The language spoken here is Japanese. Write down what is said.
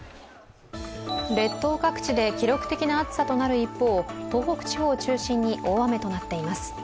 列島各地で記録的な暑さとなる一方、東北地方を中心に大雨となっています。